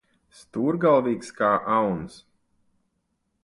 Stūrgalvīgs kā auns.